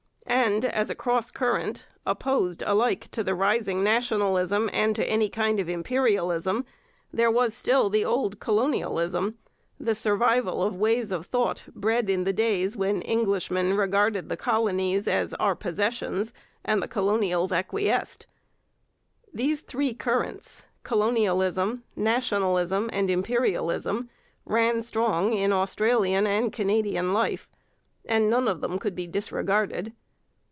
And, as a cross current, opposed alike to the rising nationalism and to any kind of imperialism, there was still the old colonialism, the survival of ways of thought bred of the days when Englishmen regarded the colonies as 'our possessions' and colonials acquiesced. These three currents, colonialism, nationalism, and imperialism, ran strong in Australian and Canadian life, and none of them could be disregarded.